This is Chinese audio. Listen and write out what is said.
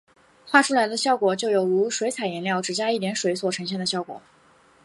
画出来的效果就有如水彩颜料只加一点水所呈现的效果。